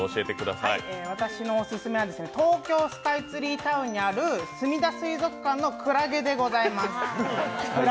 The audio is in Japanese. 私のオススメは東京スカイツリータウンにあるすみだ水族館のくらげでございます。